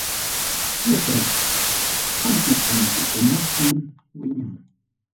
Kiwiqa, hanaq antikunapim wiñan.